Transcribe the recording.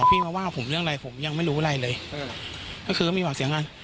พี่มาว่าผมเรื่องอะไรผมยังไม่รู้อะไรเลยใช่ไหมนั่นคือมีหวักเสียงนั่น